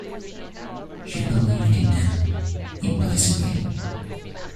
She believed in them implicitly.